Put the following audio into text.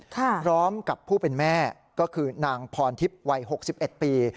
พร้อมกับผู้เป็นแม่ก็คือนางพรทิพย์วัย๖๑ปี